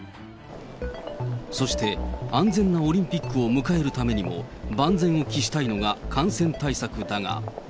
そして、安全なオリンピックを迎えるためにも、万全を期したいのが感染対策だが。